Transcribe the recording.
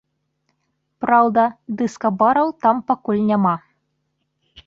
Праўда, дыска-бараў там пакуль няма.